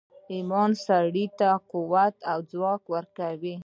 ایمان سړي ته قوت او ځواک ورکوي